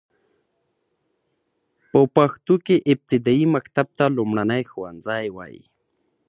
په پښتو کې ابتدايي مکتب ته لومړنی ښوونځی وايي.